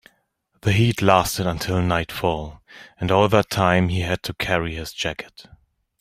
The heat lasted until nightfall, and all that time he had to carry his jacket.